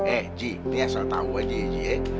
eh ji ini asal tau gue ji ji eh